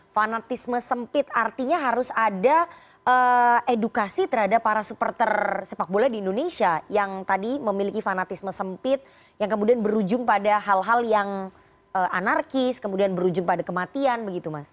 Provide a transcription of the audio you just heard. fanatisme sempit artinya harus ada edukasi terhadap para supporter sepak bola di indonesia yang tadi memiliki fanatisme sempit yang kemudian berujung pada hal hal yang anarkis kemudian berujung pada kematian begitu mas